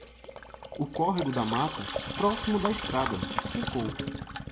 O córrego da mata, proximo da estrada, secou.